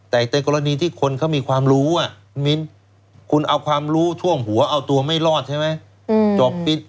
แต่ในกรณีที่คนเขามีความรู้มิ้นคุณเอาความรู้ช่วงหัวเอาตัวไม่รอดใช่ไหม